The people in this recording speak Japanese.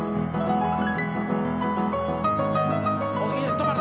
止まれ。